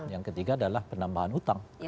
yang ketiga adalah penambahan utang